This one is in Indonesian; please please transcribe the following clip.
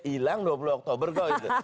hilang dua puluh oktober kok